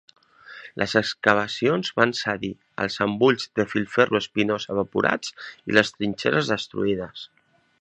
Les excavacions van cedir, els embulls de filferro espinós evaporats i les trinxeres destruïdes.